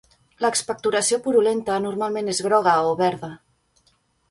L'expectoració purulenta normalment és groga o verda.